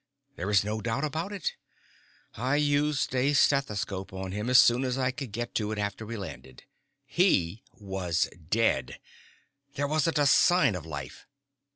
"There is no doubt about it. I used a stethoscope on him as soon as I could get to it after we landed. He was dead. There wasn't a sign of life."